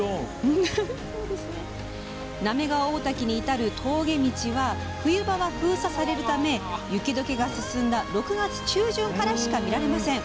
滑川大滝に至る峠道は冬場は封鎖されるため雪どけが進んだ６月中旬からしか見られません。